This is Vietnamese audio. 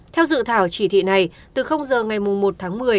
theo dự thảo chỉ thị này từ giờ ngày một tháng một mươi